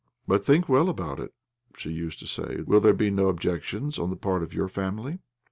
"But think well about it," she used to say to me. "Will there be no objections on the part of your family?"